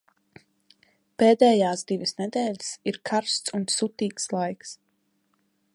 Pēdējās divas nedēļas ir karsts un sutīgs laiks.